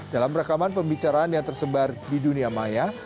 dalam rekaman pembicaraan yang tersebar di dunia maya